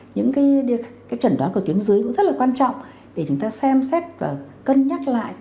những cái trần đoán của tuyến dưới cũng rất là quan trọng để chúng ta xem xét và cân nhắc lại